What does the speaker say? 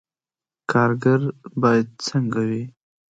کارګر باید څنګه وي؟